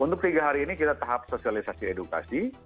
untuk tiga hari ini kita tahap sosialisasi edukasi